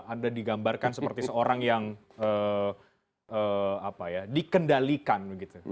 anda digambarkan seperti seorang yang dikendalikan